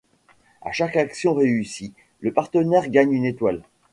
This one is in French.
À chaque action réussie, le partenaire gagne une étoile.